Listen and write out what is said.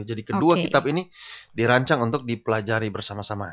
jadi kedua kitab ini dirancang untuk dipelajari bersama sama